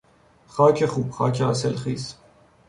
خاک خوب، خاک حاصلخیز